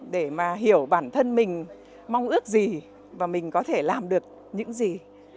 để mà hiểu bản thân mình mong ước gì và mình có thể làm được những gì